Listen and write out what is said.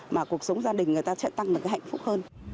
mà cuộc sống gia đình người ta sẽ tăng được cái hạnh phúc hơn